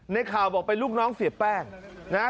ในข่าวบอกเป็นลูกน้องเสียแป้งนะฮะ